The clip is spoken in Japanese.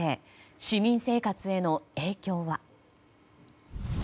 市民生活への影響は。